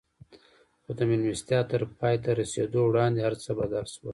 خو د مېلمستيا تر پای ته رسېدو وړاندې هر څه بدل شول.